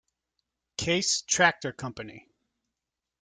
Case tractor company.